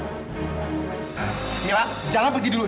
camilla jangan pergi dulu